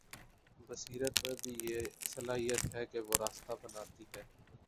بصیرت میں بھی یہ صلاحیت ہے کہ وہ راستہ بناتی ہے۔